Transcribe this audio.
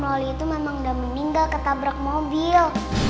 loli tuh memang udah meninggal ketabrak mobil